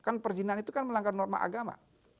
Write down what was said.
kan perjinan itu melanggar norma agama